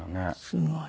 すごい。